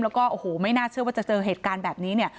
แล้วก็ไม่น่าเชื่อว่าจะเจอเหตุการณ์แบบนี้